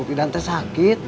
idan te sakit